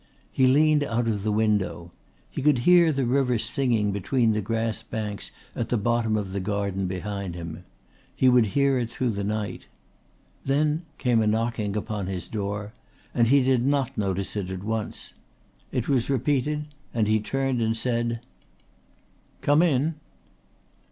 He leaned out of the window. He could hear the river singing between the grass banks at the bottom of the garden behind him. He would hear it through the night. Then came a knocking upon his door, and he did not notice it at once. It was repeated and he turned and said: "Come in!"